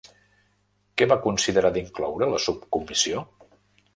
Què va considerar d'incloure la subcomissió?